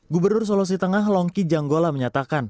gubernur sulawesi tengah longki janggola menyatakan